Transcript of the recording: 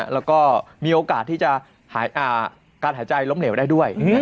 แล้วก็มีโอกาสที่จะการหายใจล้มเหลวได้ด้วย